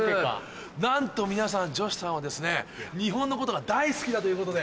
なんと皆さんジョシさんはですね日本のことが大好きだということで。